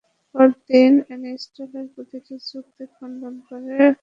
পরদিন আইনস্টাইনের প্রতিটা যুক্তিকে খণ্ডন করে বোর বাহিনী ব্যাখ্যা করেছিলেন অনিশ্চয়তা নীতি কেন ঠিক।